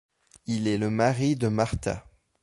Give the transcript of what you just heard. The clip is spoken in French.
Il est le mari de Marta.